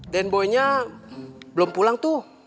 dan boynya belum pulang tuh